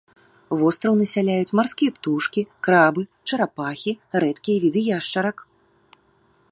Востраў насяляюць марскія птушкі, крабы, чарапахі, рэдкія віды яшчарак.